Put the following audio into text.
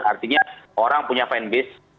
artinya orang punya fan base